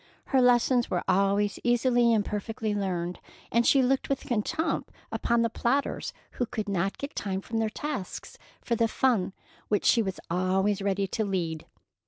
Her lessons were always easily and perfectly learned, and she looked with contempt upon the plodders who could not get time from their tasks for the fun which she was always ready to lead.